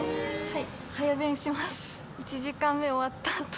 はい。